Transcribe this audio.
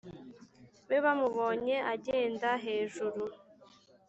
Be bamubonye agenda hejuru